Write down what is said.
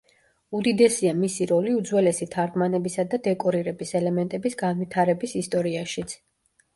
უდიდესია მისი როლი უძველესი თარგმანებისა და დეკორირების ელემენტების განვითარების ისტორიაშიც.